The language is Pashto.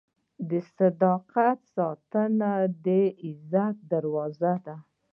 د صداقت ساتنه د عزت دروازه ده.